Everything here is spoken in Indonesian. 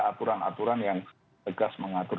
aturan aturan yang tegas mengatur